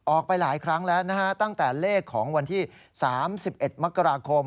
ออกไปหลายครั้งแล้วนะฮะตั้งแต่เลขของวันที่๓๑มกราคม